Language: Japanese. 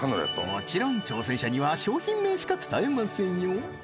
もちろん挑戦者には商品名しか伝えませんよ